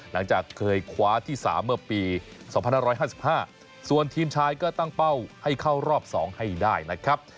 หลังจากเคยคว้าที่๓เมื่อปี๒๕๕๕ส่วนทีมชายก็ตั้งเป้าให้เข้ารอบ๒ให้ได้นะครับ